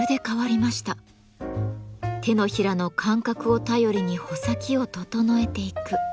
手のひらの感覚を頼りに穂先を整えていく。